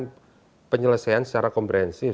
membuatkan penyelesaian secara komprehensif